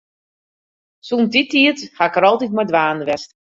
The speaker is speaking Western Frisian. Sûnt dy tiid ha ik dêr altyd mei dwaande west.